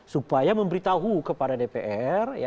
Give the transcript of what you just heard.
supaya memberitahu kepada dpr